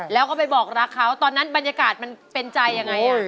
แล้วก็ไปบอกรักเขาตอนนั้นบรรยากาศมันเป็นใจยังไง